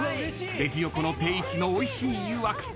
［レジ横の定位置のおいしい誘惑］